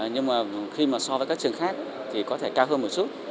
nhưng mà khi mà so với các trường khác thì có thể cao hơn một chút